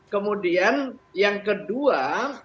kemudian yang kedua